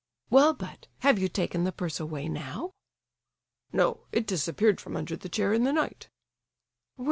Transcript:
"Well, but—have you taken the purse away now?" "No, it disappeared from under the chair in the night."